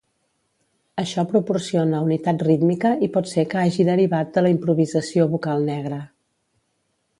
Això proporciona unitat rítmica i pot ser que hagi derivat de la improvisació vocal negra.